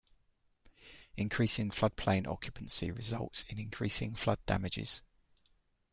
Increasing floodplain occupancy results in increasing flood damages.